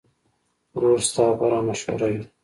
ورور ستا غوره مشوره وي.